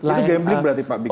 itu gambling berarti pak